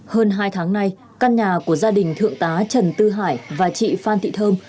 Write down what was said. hơn hai tháng nay căn nhà của gia đình thượng tá trần tư hải và chị phan thị thơm